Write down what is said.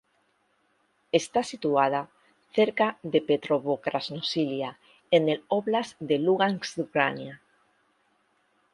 Está situada cerca de Petrovo-Krasnosilia en el óblast de Lugansk de Ucrania.